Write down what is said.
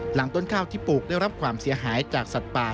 หลังต้นข้าวที่ปลูกได้รับความเสียหายจากสัตว์ป่า